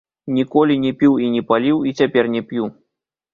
Ніколі не піў і не паліў, і цяпер не п'ю.